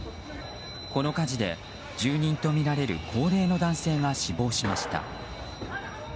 この火事で住人とみられる高齢の男性が死亡しました。